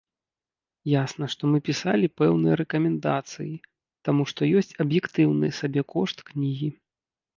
Ясна, што мы пісалі пэўныя рэкамендацыі, таму што ёсць аб'ектыўны сабекошт кнігі.